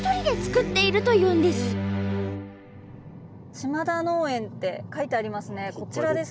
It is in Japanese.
「島田農園」って書いてありますねこちらですね。